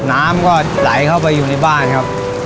น้ำก็ไหลเข้าไปอยู่ในบ้านครับ